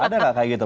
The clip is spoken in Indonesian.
ada gak kayak gitu